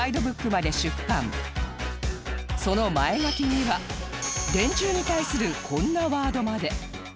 その前書きには電柱に対するこんなワードまで